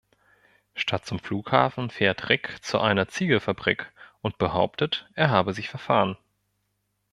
Statt zum Flughafen fährt Rick zu einer Ziegelfabrik und behauptet, er habe sich verfahren.